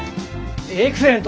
エクセレント！